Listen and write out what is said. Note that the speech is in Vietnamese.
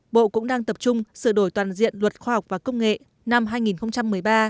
bộ cũng đang tập trung sửa đổi toàn diện luật khoa học và công nghệ năm hai nghìn một mươi ba